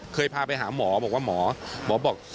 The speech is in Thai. เคยพาไปหาหมอบอกว่าหมอบอก